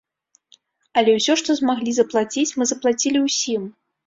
Але ўсё, што змаглі заплаціць, мы заплацілі ўсім.